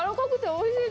おいしい。